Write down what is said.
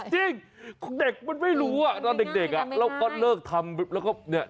จริงเด็กมันไม่รู้ตอนเด็กเราก็เลิกทำ